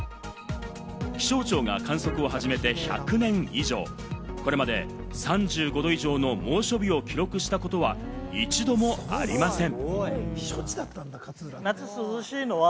気象庁が観測を始めて１００年以上、これまで３５度以上の猛暑日を記録したことは一度もありません。